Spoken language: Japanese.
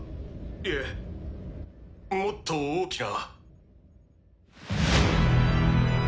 いえもっと大きな。